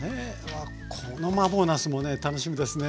このマーボーなすもね楽しみですね。